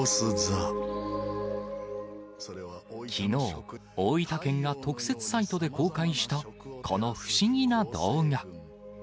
きのう、大分県が特設サイトで公開した、この不思議な動画。